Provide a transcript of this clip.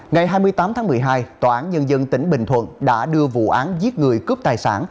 ngày hai mươi tám tháng một mươi hai tòa án nhân dân tỉnh bình thuận đã đưa vụ án giết người cướp tài sản